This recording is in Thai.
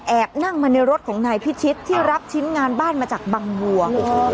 แอบนั่งมาในรถของอะไรพิชิตที่รับชิ้นงานบ้านมาจากบางครอง